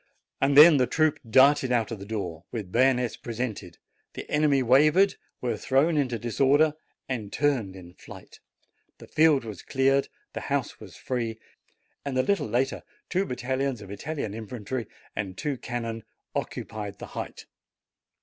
Then the troop darted out of the door, with bay onets presented; the enemy wavered, were thrown into disorder, and turned in flight; the field was cleared, the house was free, and a little later two battalions of Italian infantry and two cannon occupied the height.